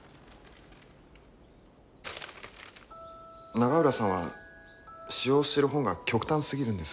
永浦さんは使用してる本が極端すぎるんです。